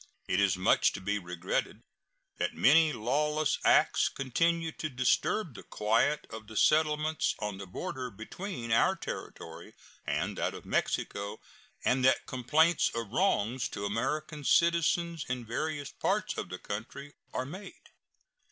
It is much to be regretted that many lawless acts continue to disturb the quiet of the settlements on the border between our territory and that of Mexico, and that complaints of wrongs to American citizens in various parts of the country are made.